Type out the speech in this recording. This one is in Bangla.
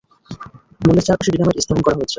মলের চারপাশে ডিনামাইট স্থাপন করা হয়েছে।